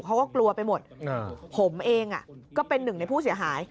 เขาก็กลัวไปหมดผมเองก็เป็นหนึ่งในผู้เสียหาย